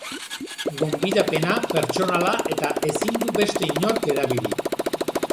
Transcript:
Gonbidapena pertsonala eta ezin du beste inork erabili.